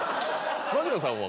槙野さんは？